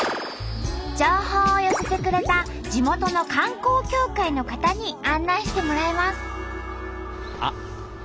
情報を寄せてくれた地元の観光協会の方に案内してもらいます。